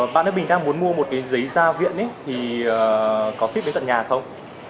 bạn ấy mình đang muốn mua một cái giấy ra viện thì có ship đến tận nhà không